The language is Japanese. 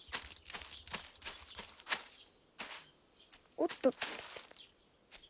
おっと。